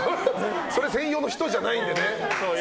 それ専用の人じゃないのでね。